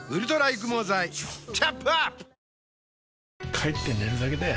帰って寝るだけだよ